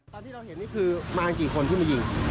ตอนที่เราเห็นนี่คือมากี่คนที่มายิง